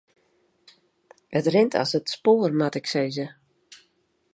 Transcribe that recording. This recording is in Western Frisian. It rint as it spoar moat ik sizze.